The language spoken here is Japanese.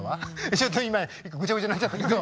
ちょっと今ごちゃごちゃなっちゃったけど。